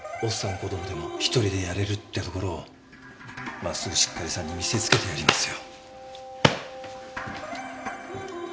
子供でも１人でやれるってところを真っすぐしっかりさんに見せつけてやりますよ。